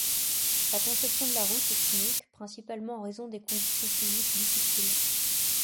La conception de la route est unique, principalement en raison des conditions physiques difficiles.